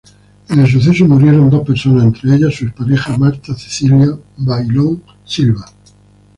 En el suceso murieron dos personas, entre ellas su expareja, Martha Cecilia Baylón Silva.